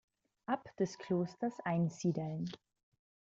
Abt des Klosters Einsiedeln.